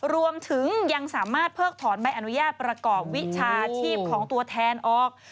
รวมถึงยังสามารถเพิกถอนใบอนุญาตประกอบวิชาชีพของตัวแทนออก